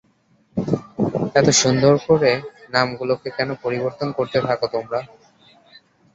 এতো সুন্দর নাম গুলোকে কেন পরিবর্তন করতে থাকো তোমারা?